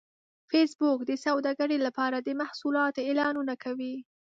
فېسبوک د سوداګرۍ لپاره د محصولاتو اعلانونه کوي